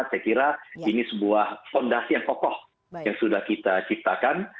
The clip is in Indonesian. saya kira ini sebuah fondasi yang kokoh yang sudah kita ciptakan